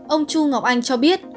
ông chu ngọc anh cho biết